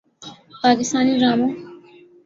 پاکستانی ڈراموں